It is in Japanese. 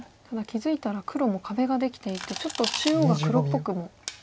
ただ気付いたら黒も壁ができていてちょっと中央が黒っぽくも。